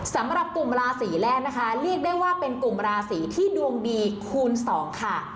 สำหรับกลุ่มราศีแรกนะคะเรียกได้ว่าเป็นกลุ่มราศีที่ดวงดีคูณ๒ค่ะ